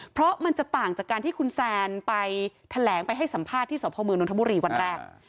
เพราะมันจะต่างจากการที่คุณแซนไปแถลงไปให้สัมภาษณ์ที่สพมนทบุรีวันแรก